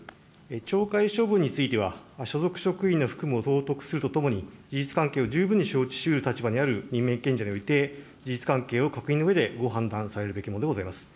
懲戒処分については、所属職員の服務をとともに事実関係を十分に承知しうる立場にある任命権者において、事実関係を、においてご判断されるものであります。